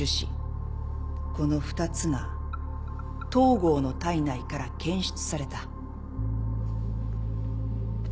この２つが東郷の体内から検出された。